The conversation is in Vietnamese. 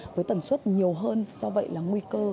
với tần suất nhiều hơn do vậy là nguy cơ